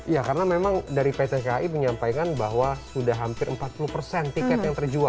ya karena memang dari pt kai menyampaikan bahwa sudah hampir empat puluh persen tiket yang terjual